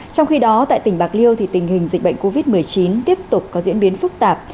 trong khi đó tại tỉnh bạc liêu thì tình hình dịch bệnh covid một mươi chín tiếp tục có diễn biến phức tạp